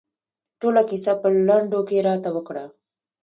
ټوله کیسه په لنډو کې راته وکړه.